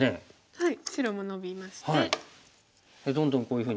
はい。